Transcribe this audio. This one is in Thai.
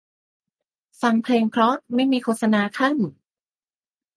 ฟังเพลงเพราะไม่มีโฆษณาคั่น